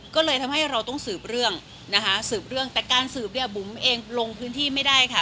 ก็เลยทำให้เราต้องสืบเรื่องนะคะสืบเรื่องแต่การสืบเนี่ยบุ๋มเองลงพื้นที่ไม่ได้ค่ะ